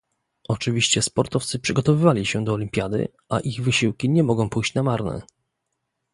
Oczywiście sportowcy przygotowywali się do Olimpiady, a ich wysiłki nie mogą pójść na marne